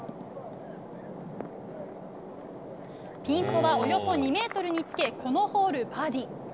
ピンそば、およそ２ｍにつけこのホール、バーディー。